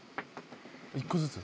１個ずつ。